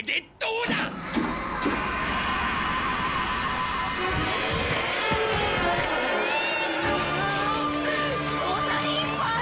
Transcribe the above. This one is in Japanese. うわこんなにいっぱい！？